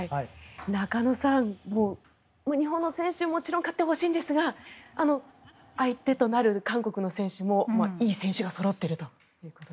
中野さん、日本もちろん勝ってほしいんですが相手となる韓国の選手もいい選手がそろっていると。